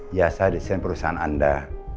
biasa desain perusahaan anda